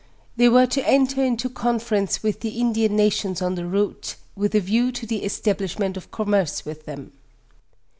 They were to enter into conference with the Indian nations on the route, with a view to the establishment of commerce with them.